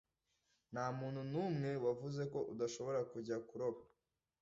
Ntamuntu numwe wavuze ko udashobora kujya kuroba.